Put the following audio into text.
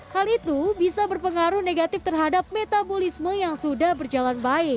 hal itu bisa berpengaruh negatif terhadap metabolisme yang sudah berjalan baik